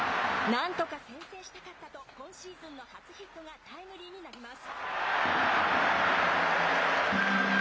なんとか先制したかったと、今シーズンの初ヒットがタイムリーになります。